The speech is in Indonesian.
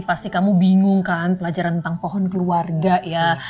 pasti kamu bingung kan pelajaran tentang pohon keluarga ya